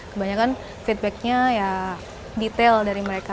kebanyakan feedbacknya ya detail dari mereka